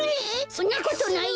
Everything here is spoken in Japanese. そんなことないよ！